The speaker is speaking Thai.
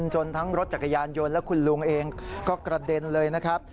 จนทั้งรถจักรยานยนต์และคุณลุงเองก็กระเด็นเลยนะครับ